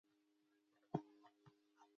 هغوی د آرام ماښام له رنګونو سره سندرې هم ویلې.